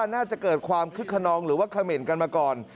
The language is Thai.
น่าจะเกิดความคึกขนองหรือว่าเขม่นกันมาก่อน